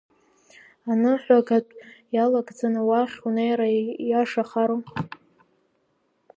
Аныҳәагатә иалагӡаны уахь унеира иашахару?